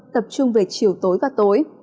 tập trung về chiều tối và tối